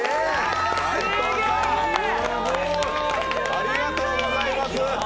ありがとうございます！